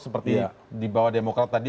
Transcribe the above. seperti di bawah demokrat tadi